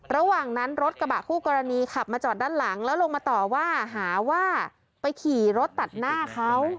ระหว่างนั้นรถกระบะคู่กรณีขับมาจอดด้านหลังแล้วลงมาต่อว่าหาว่าไปขี่รถตัดหน้าเขา